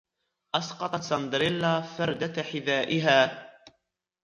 أسقطت سند يلا فردة حذاءها.